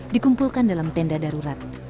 dikumpulkan dalam tenda darurat